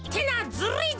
ずるいぞ。